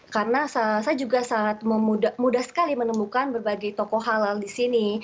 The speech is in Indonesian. karena saya juga sangat mudah sekali menemukan berbagai tokoh halal di sini